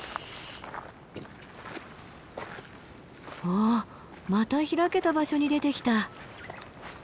ああまた開けた場所に出てきた。